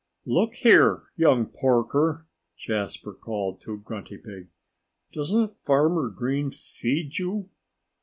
"Look here, young Porker!" Jasper called to Grunty Pig. "Doesn't Farmer Green feed you?"